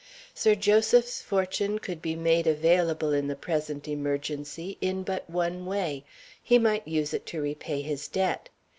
Sir Joseph's fortune could be made available, in the present emergency, in but one way he might use it to repay his debt.